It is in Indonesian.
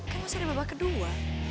kan masih ada babak kedua